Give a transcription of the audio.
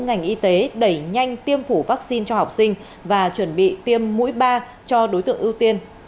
ngành y tế đẩy nhanh tiêm phủ vaccine cho học sinh và chuẩn bị tiêm mũi ba cho đối tượng ưu tiên